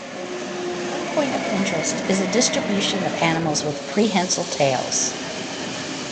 One point of interest is the distribution of animals with prehensile tails.